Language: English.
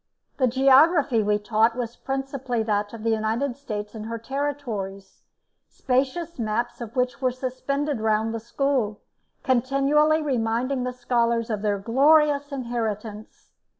The geography we taught was principally that of the United States and her territories, spacious maps of which were suspended round the school, continually reminding the scholars of their glorious inheritance.